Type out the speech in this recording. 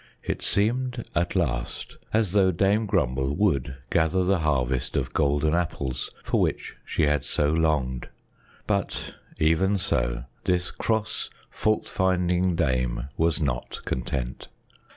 It seemed at last as though Dame Grumble would gather the harvest of golden apples for which she had so longed; but even so, this cross, fault finding dame was not content.